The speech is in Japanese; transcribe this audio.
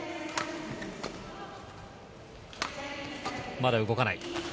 まだ動かない。